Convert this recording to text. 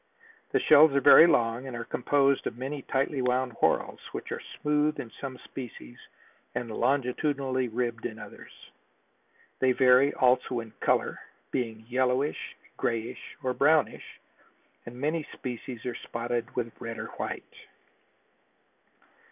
The shells are very long and are composed of many tightly wound whorls, which are smooth in some species and longitudinally ribbed in others. They vary also in color, being yellowish, grayish or brownish, and many species are spotted with red or white.